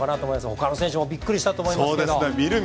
他の選手もびっくりしたと思いますね。